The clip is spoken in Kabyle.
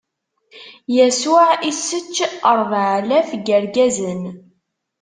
Yasuɛ issečč ṛebɛalaf n yirgazen.